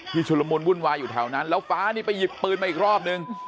ชุดละมุนวุ่นวายอยู่แถวนั้นแล้วฟ้านี่ไปหยิบปืนมาอีกรอบนึง